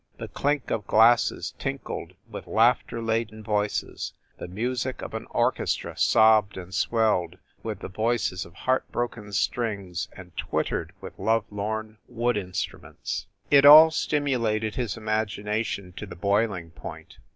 The clink of glasses tinkled with laughter laden voices. The music of an orchestra sobbed and swelled, with the voices of heart broken strings and twittered with love lorn wood instruments. 234 FIND THE WOMAN It all stimulated his imagination to the boiling point.